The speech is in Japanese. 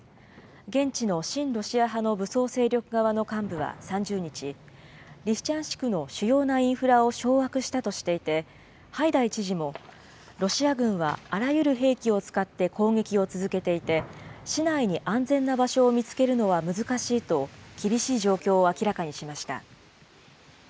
現地の親ロシア派の武装勢力側の幹部は３０日、リシチャンシクの主要なインフラを掌握したとしていて、ハイダイ知事もロシア軍はあらゆる兵器を使って攻撃を続けていて、市内に安全な場所を見つけるのは難しいと、厳しい状況を明らかにしました。